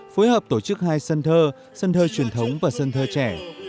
phối hợp tổ chức hai sân thơ sân thơ truyền thống và sân thơ trẻ